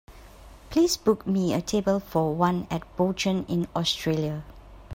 Please book me a table for one at Bouchon in Australia.